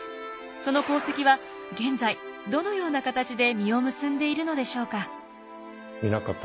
その功績は現在どのような形で実を結んでいるのでしょうか？